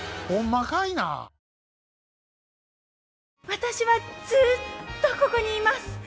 私はずっとここにいます。